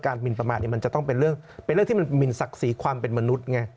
หมินประมาทมันจะต้องเป็นเรื่องที่มันหมินศักดิ์ศรีความเป็นมนุษย์ไง